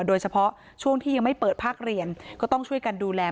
โดยเฉพาะช่วงที่ยังไม่เปิดภาคเรียนก็ต้องช่วยกันดูแล